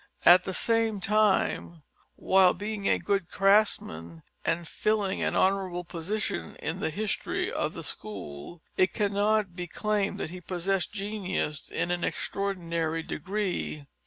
At the same time, whilst being a good craftsman and filling an honourable position in the history of the school, it cannot be claimed that he possessed genius in an extraordinary degree.